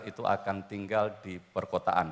itu akan tinggal di perkotaan